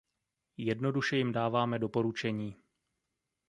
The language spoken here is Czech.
Jednoduše jim dáváme doporučení.